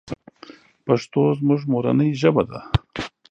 پښتو زمونږ مورنۍ ژبه ده.